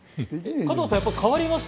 加藤さん、やっぱり変わりました？